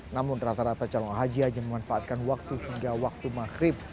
namun rata rata calon haji hanya memanfaatkan waktu hingga waktu maghrib